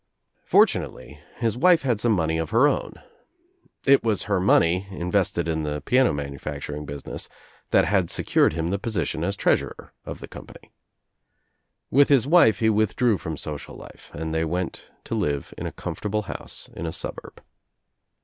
Fortunately his wife had some money of her own. It was her money, invested in the piano manufacturing business, that had secured him the position as treasurer of the company. With his wife he withdrew from social life and they went to live in a comfortable house in a suburb.